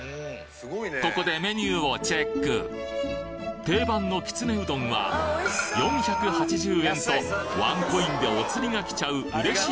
ここでメニューをチェック定番のきつねうどんは４８０円とワンコインでおつりが来ちゃう嬉しい